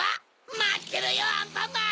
まってろよアンパンマン！